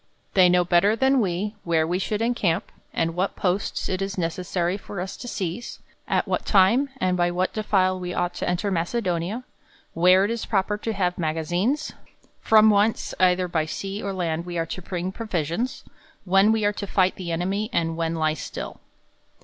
They know better than we, where we should encamp, and what posts it is ne cessary for us to sieze ; at what time, and by what de file we ought to enter Macedonia ; where it is proper to have magazines ; from whence, either by sea or land, we are to bring provisions ; when we are tQ fight the enemy, and when lie still.